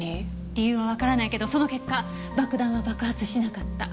理由はわからないけどその結果爆弾は爆発しなかった。